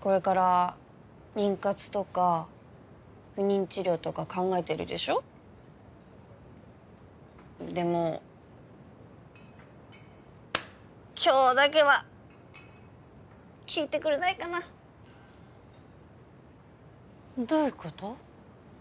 これから妊活とか不妊治療とか考えてるでしょでも今日だけは聞いてくれないかなどういうこと？